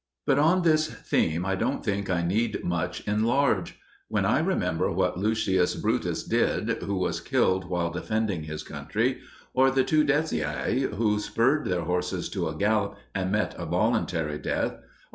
But on this theme I don't think I need much enlarge: when I remember what Lucius Brutus did, who was killed while defending his country; or the two Decii, who spurred their horses to a gallop and met a voluntary death; or M.